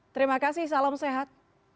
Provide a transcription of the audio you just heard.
terima kasih salam sehat